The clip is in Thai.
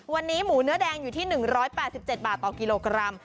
วันนี้หมูเนื้อแดงอยู่ที่๑๘๗บาทต่อกิโลกรัม